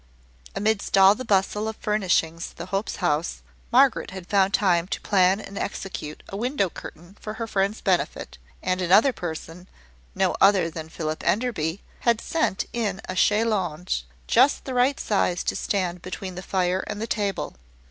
Amidst all the bustle of furnishing the Hopes' house, Margaret had found time to plan and execute a window curtain for her friend's benefit; and another person no other than Philip Enderby had sent in a chaise longue, just the right size to stand between the fire and the table.